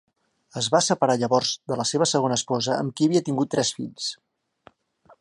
Es va separar llavors de la seva segona esposa amb qui havia tingut tres fills.